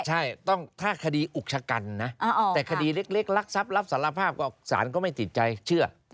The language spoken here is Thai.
ใช่ต้องถ้าคดีอุกชะกันนะแต่คดีเล็กรักทรัพย์รับสารภาพก็สารก็ไม่ติดใจเชื่อ